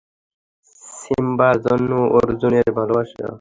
সিম্বার জন্য অর্জুনের ভালোবাসা।